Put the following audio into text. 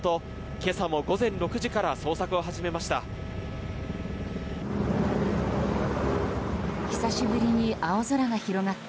今朝も午前６時から捜索を始めました。